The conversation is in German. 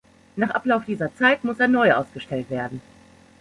Nach Ablauf dieser Zeit muss er neu ausgestellt werden.